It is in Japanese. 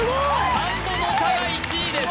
田んぼの「田」が１位です